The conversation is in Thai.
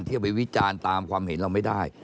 เอาไปวิจารณ์ตามความเห็นเราไม่ได้